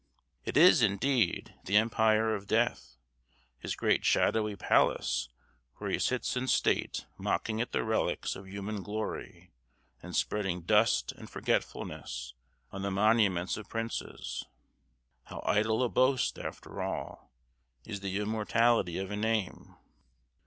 It is, indeed, the empire of death; his great shadowy palace where he sits in state mocking at the relics of human glory and spreading dust and forgetfulness on the monuments of princes. How idle a boast, after all, is the immortality of a name!